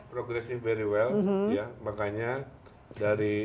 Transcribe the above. progresif very well makanya dari